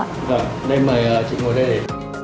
rồi đây mời chị ngồi đây